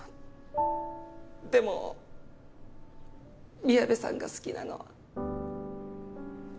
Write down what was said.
でも宮部さんが好きなのは。